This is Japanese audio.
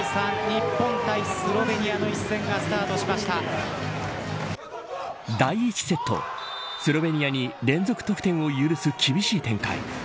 日本対スロベニアの一戦が第１セットスロベニアに連続得点を許す厳しい展開。